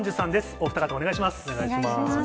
お二方、お願いします。